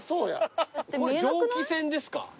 これ蒸気船ですか？